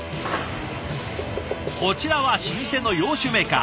こちらは老舗の洋酒メーカー。